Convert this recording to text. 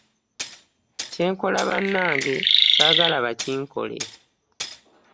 Kyenkola bannage sagala bakinkole .